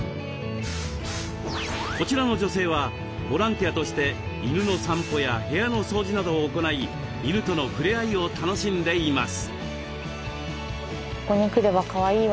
こちらの女性はボランティアとして犬の散歩や部屋の掃除などを行い犬とのふれあいを楽しんでいます。